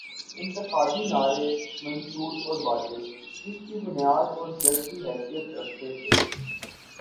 انتخابی نعرے، منشور اور وعدے، جس کی بنیاداور جڑ کی حیثیت رکھتے تھے۔